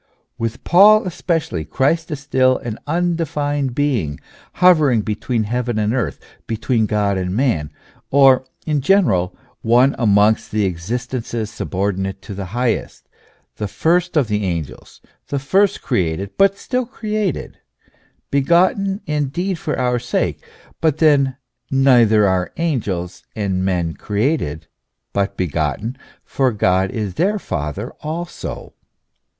With Paul especially, Christ is still an undefined being, hovering between heaven and earth, between God and man, or, in general, one amongst the existences subordinate to the highest, the first of the angels, the first created, but still created ; begotten indeed for our sake, but then neither are angels and men created, but begotten, for God is their Father also.